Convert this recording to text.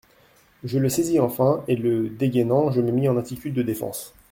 Je le saisis enfin, et, le dégainant, je me mis en attitude de défense.